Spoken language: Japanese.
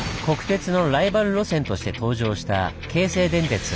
国鉄のライバル路線として登場した京成電鉄。